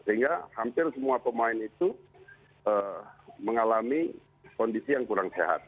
sehingga hampir semua pemain itu mengalami kondisi yang kurang sehat